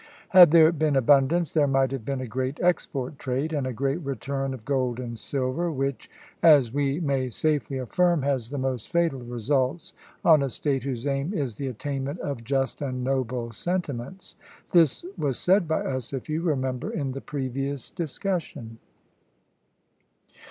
Had there been abundance, there might have been a great export trade, and a great return of gold and silver; which, as we may safely affirm, has the most fatal results on a State whose aim is the attainment of just and noble sentiments: this was said by us, if you remember, in the previous discussion.